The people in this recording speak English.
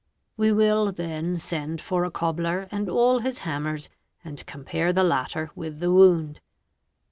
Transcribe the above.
We will then send for a cobbler and all his hammers an¢ compare the latter with the wound.